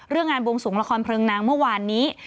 เรื่องงานบวงสวงละครเพลิงนางเมื่อวานนี้